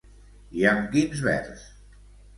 I amb quins verds?